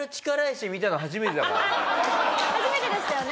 初めてでしたよね？